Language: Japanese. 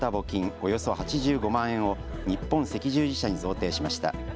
およそ８５万円を日本赤十字社に贈呈しました。